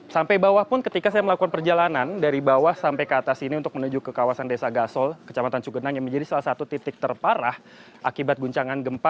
sampai bawah pun ketika saya melakukan perjalanan dari bawah sampai ke atas ini untuk menuju ke kawasan desa gasol kecamatan cugenang yang menjadi salah satu titik terparah akibat guncangan gempa